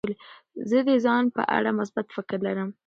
زه د ځان په اړه مثبت فکر لرم.